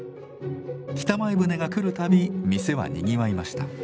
北前船が来る度店はにぎわいました。